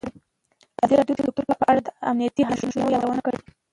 ازادي راډیو د کلتور په اړه د امنیتي اندېښنو یادونه کړې.